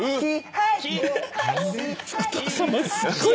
はい。